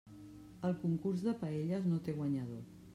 El concurs de paelles no té guanyador.